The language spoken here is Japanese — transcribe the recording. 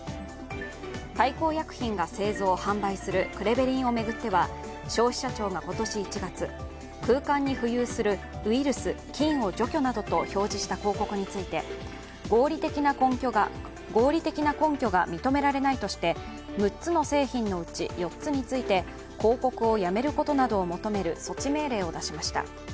大幸薬品が製造・販売するクレベリンを巡っては消費者庁が今年１月、空間に浮遊するウイルスや菌を除去すると表示した広告について、合理的な根拠が認められないとして６つの製品のうち、４つについて広告をやめることなどを求める措置命令を出しました。